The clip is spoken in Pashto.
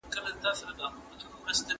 دا هغه ښوونه ده چي سکولاستيک نومېده.